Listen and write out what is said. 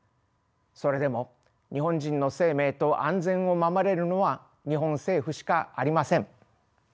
それでも日本人の生命と安全を守れるのは日本政府しかありません。